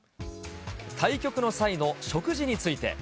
対局の際の食事について。